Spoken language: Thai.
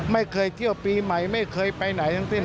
ไม่เคยเที่ยวปีใหม่ไม่เคยไปไหนทั้งสิ้น